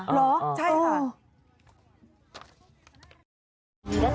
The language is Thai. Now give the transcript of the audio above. หรือใช่ค่ะโอ้โฮใช่ค่ะ